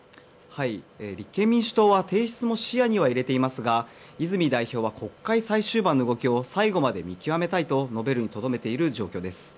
立憲民主党は提出も視野に入れていますが泉代表は国会最終盤の動きを最後まで見極めたいと述べるにとどめている状況です。